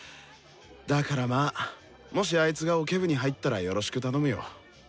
だからまあもしあいつがオケ部に入ったらよろしく頼むよ。